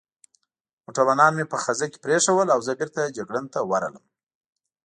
موټروانان مې په خزه کې پرېښوول او زه بېرته جګړن ته ورغلم.